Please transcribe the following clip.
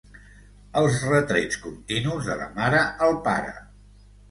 Els retrets continus de la mare al pare...